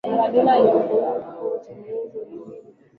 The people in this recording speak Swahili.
Maradona alihukumiwa kifungo cha miaka miwili na miezi